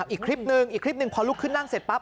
อีกคลิปนึงอีกคลิปหนึ่งพอลุกขึ้นนั่งเสร็จปั๊